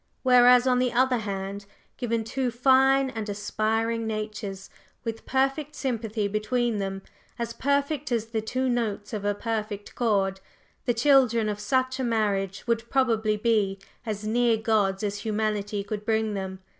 Whereas on the other hand, given two fine and aspiring natures with perfect sympathy between them, as perfect as the two notes of a perfect chord, the children of such a marriage would probably be as near gods as humanity could bring them.